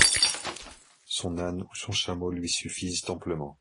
Son âne ou son chameau lui suffisent amplement.